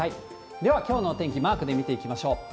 では、きょうの天気、マークで見ていきましょう。